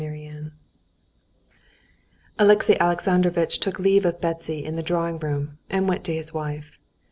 Chapter 20 Alexey Alexandrovitch took leave of Betsy in the drawing room, and went to his wife.